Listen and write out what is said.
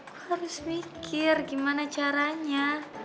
harus mikir gimana caranya